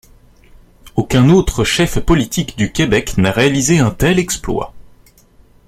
Aucun autre chef politique du Québec n'a réalisé un tel exploit.